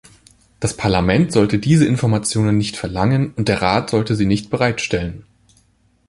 Das Parlament sollte diese Informationen nicht verlangen, und der Rat sollte sie nicht bereitstellen.